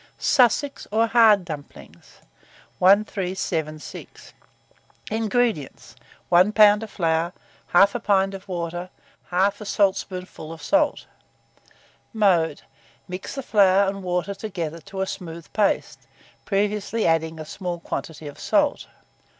SUSSEX, or HARD DUMPLINGS. 1376. INGREDIENTS. 1 lb. of flour, 1/2 pint of water, 1/2 saltspoonful of salt. Mode. Mix the flour and water together to a smooth paste, previously adding a small quantity of salt.